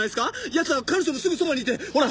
奴は彼女のすぐそばにいてほら！